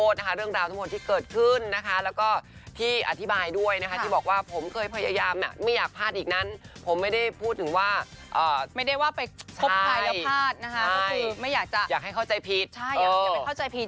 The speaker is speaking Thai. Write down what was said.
ช่างว่าไปขบกายแล้วพาดนะคะอยากให้เข้าใจผิด